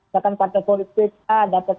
bahkan partai politik itu kan ada deal deal politik